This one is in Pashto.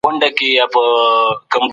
د هغه ټولنیز نظرونه په نړۍ کي منل سوي دي.